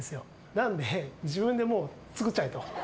なんで、自分で作っちゃえと。